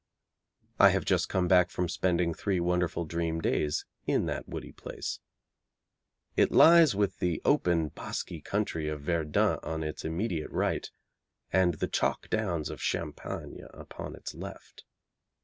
I have just come back from spending three wonderful dream days in that woody place. It lies with the open, bosky country of Verdun on its immediate right, and the chalk downs of Champagne upon its left.